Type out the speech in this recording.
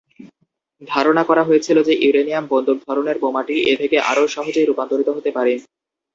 ধারণা করা হয়েছিল যে ইউরেনিয়াম বন্দুক ধরনের বোমাটি এ থেকে আরও সহজেই রূপান্তরিত হতে পারে।